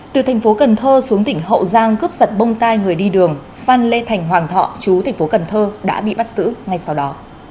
từ thành phố cần thơ xuống tỉnh hậu giang cướp giật bông tai người đi đường phan lê thành hoàng thọ chú thành phố cần thơ đã bị bắt xử ngay sau đó